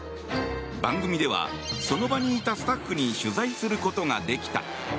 番組ではその場にいたスタッフに取材することができた。